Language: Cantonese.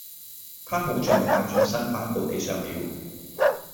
她好像快轉身翻到地上了